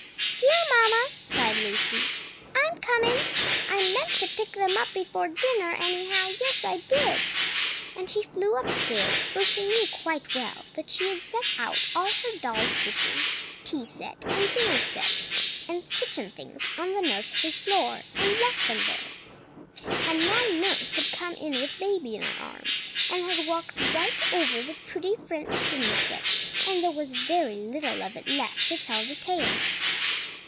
"Here, Mamma!" cried Lucy. "I am coming! I meant to pick them up before dinner, anyhow! yes I did!" And she flew up stairs, for she knew quite well that she had set out all her doll's dishes, tea set and dinner set and kitchen things, on the nursery floor, and left them there. And now nurse had come in with baby in her arms, and had walked right over the pretty French dinner set, and there was very little of it left to tell the tale.